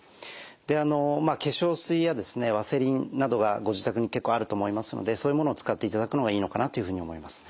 であの化粧水やですねワセリンなどがご自宅に結構あると思いますのでそういうものを使っていただくのがいいのかなというふうに思います。